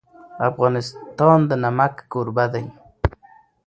افغانستان د نمک کوربه دی.